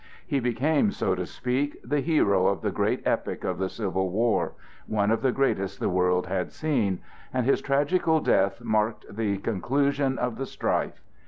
He became, so to speak, the hero of the great epic of the Civil War—one of the greatest the world had seen,—and his tragical death marked the conclusion of the strife.